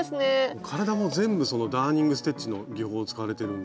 体も全部そのダーニングステッチの技法使われてるんで。